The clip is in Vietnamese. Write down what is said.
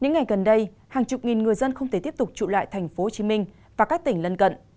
những ngày gần đây hàng chục nghìn người dân không thể tiếp tục trụ lại thành phố hồ chí minh và các tỉnh lân cận